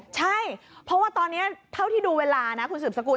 ใช่เพราะว่าตอนนี้เท่าที่ดูเวลานะคุณสืบสกุล